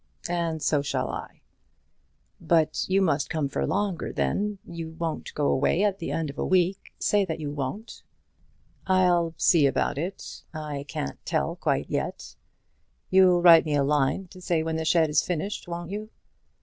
"And so shall I." "But you must come for longer then; you won't go away at the end of a week? Say that you won't." "I'll see about it. I can't tell quite yet. You'll write me a line to say when the shed is finished, won't you?"